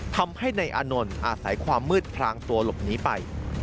ทำให้นายอานนท์อาศัยความมืดพลางตัวหลบหนีไป